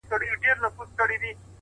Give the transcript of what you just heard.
• ښه موده کيږي چي هغه مجلس ته نه ورځمه،